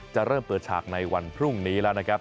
จะเริ่มเปิดฉากในวันพรุ่งนี้แล้วนะครับ